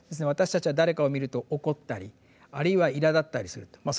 私たちは誰かを見ると怒ったりあるいはいらだったりすると。